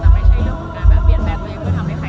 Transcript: แต่ไม่ใช่เรื่องของการเปลี่ยนแบบตัวเอง